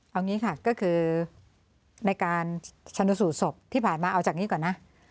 เอางี้ค่ะก็คือในการชนสูตรศพที่ผ่านมาเอาจากนี้ก่อนนะ